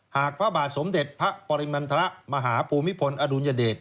พระบาทสมเด็จพระปรมินทรมาหาภูมิพลอดุลยเดช